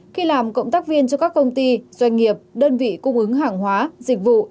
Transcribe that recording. khi làm cộng tác viên cho các công ty doanh nghiệp đơn vị cung ứng hàng hóa dịch vụ